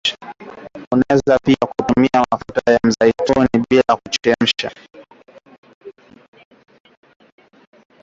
Unaweza pia kutumia mafuta ya mizeituni bila kuyachemsha